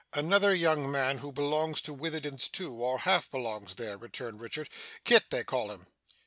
'Another young man, who belongs to Witherden's too, or half belongs there,' returned Richard. 'Kit, they call him.